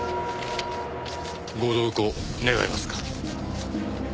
ご同行願えますか？